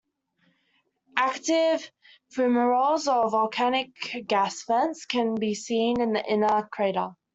Active fumaroles, or volcanic gas vents, can be seen in the inner crater.